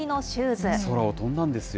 空を飛んだんですよ。